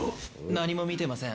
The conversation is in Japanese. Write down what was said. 何も見てません。